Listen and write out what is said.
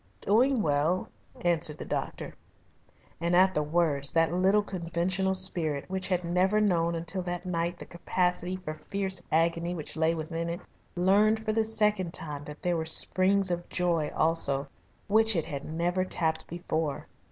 "Doing well," answered the doctor. And at the words that little conventional spirit which had never known until that night the capacity for fierce agony which lay within it, learned for the second time that there were springs of joy also which it had never tapped before.